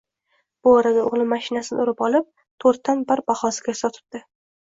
Bu orada o`g`lim mashinasini urib olib, to`rtdan bir bahosiga sotibdi